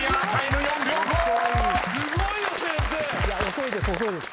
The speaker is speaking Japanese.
遅いです遅いです。